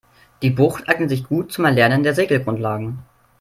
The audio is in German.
Die Bucht eignet sich gut zum Erlernen der Segelgrundlagen.